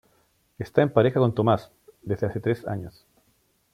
Está en pareja con Tomás desde hace tres años.